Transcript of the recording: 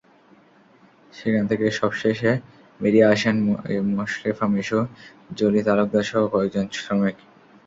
সেখান থেকে সবশেষে বেরিয়ে আসেন মোশরেফা মিশু, জলি তালুকদারসহ কয়েকজন শ্রমিক।